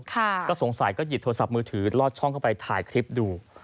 ก็สงสัยก็หยิบโทรศัพท์มือถือลอดช่องเข้าไปถ่ายคลิปดู